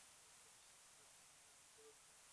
তিনি এয়াকিনসের অধীনে অধ্যয়ন করেছিলেন।